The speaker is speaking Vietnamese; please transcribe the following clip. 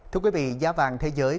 thưa quý vị giá vàng thế giới